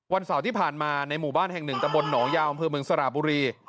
เสาร์ที่ผ่านมาในหมู่บ้านแห่งหนึ่งตะบลหนองยาวอำเภอเมืองสระบุรี